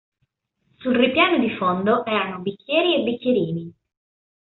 Sul ripiano di fondo erano bicchieri e bicchierini.